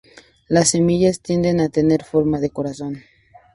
Las semillas tienden a tener forma de corazón.